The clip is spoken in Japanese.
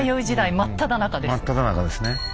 真っただ中ですね。